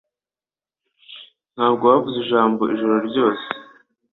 Ntabwo wavuze ijambo ijoro ryose